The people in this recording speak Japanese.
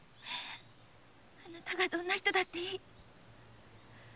あなたがどんな人だっていい。